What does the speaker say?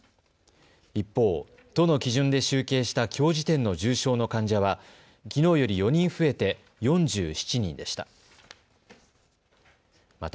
一方、都の基準で集計したきょう時点の重症の患者はきのうより４人増えて４７人でした。